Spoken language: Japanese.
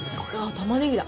タマネギだ。